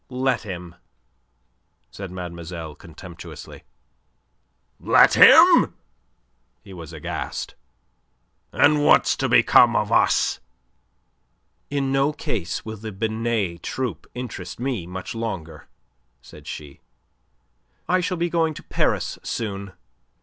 "Let him," said mademoiselle contemptuously. "Let him?" He was aghast. "And what's to become of us?" "In no case will the Binet Troupe interest me much longer," said she. "I shall be going to Paris soon.